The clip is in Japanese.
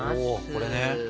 おこれね。